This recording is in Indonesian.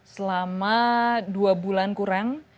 selama dua bulan kurang